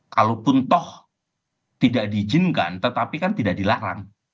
kalaupun toh tidak diizinkan tetapi kan tidak dilarang